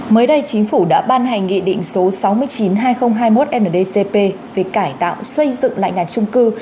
mới đây chính phủ đã ban hành nghị định số sáu mươi chín hai nghìn hai mươi một ndcp về cải tạo xây dựng lại nhà trung cư